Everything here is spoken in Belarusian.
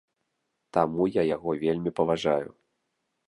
Таму я яго вельмі паважаю.